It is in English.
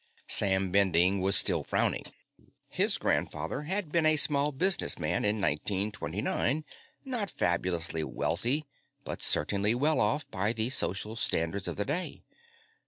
Sam Bending was still frowning. His grandfather had been a small businessman in 1929 not fabulously wealthy, but certainly well off by the social standards of the day.